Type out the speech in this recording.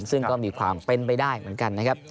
ซึ่งก็มีความเป็นไปได้เหมือนกันนะครับ